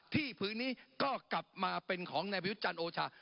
ผืนนี้ก็กลับมาเป็นของนายประยุทธ์จันทร์โอชา